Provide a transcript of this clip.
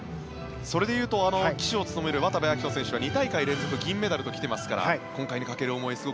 それでいうと旗手を務める渡部暁斗選手は２大会連続銀メダルと来ていますから今回にかける思い